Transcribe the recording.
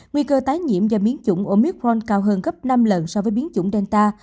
nguy cơ tái nhiễm do biến chủng omicron cao hơn gấp năm lần so với biến chủng delta